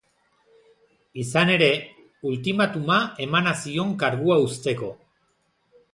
Izan ere, ultimatuma emana zion kargua uzteko.